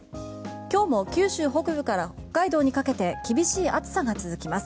今日も九州北部から北海道にかけて厳しい暑さが続きます。